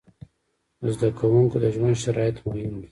د زده کوونکو د ژوند شرایط مهم دي.